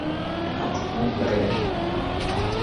هٿ صاف ڪري آءِ.